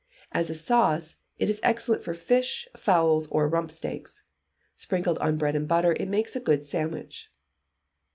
As a sauce, it is excellent for fish, fowls, or rump steaks. Sprinkled on bread and butter, it makes a good sandwich.